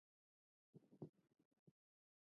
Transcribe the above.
ایا زه ډنګر یم؟